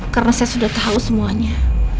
karena saya sudah tahu semuanya